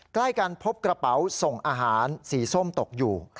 ใกล้กันพบกระเป๋าส่งอาหารสีส้มตกอยู่